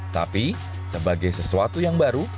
tapi sebagai sesuatu yang baru